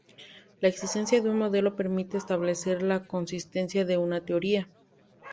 La existencia de un modelo permite establecer la consistencia de una teoría.